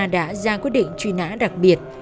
đã ra quyết định truy nã đặc biệt